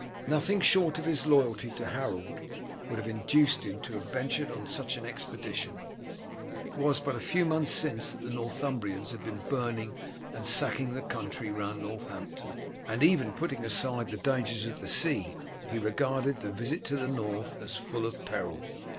Nothing short of his loyalty to Harold would have induced him to have ventured on such an expedition. It was but a few months since that the Northumbrians had been burning and sacking the country round Northampton, and even putting aside the dangers of the sea, he regarded the visit to the North as full of peril.